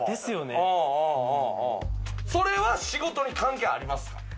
それは仕事に関係ありますか？